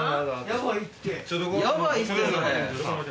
やばいってそれ。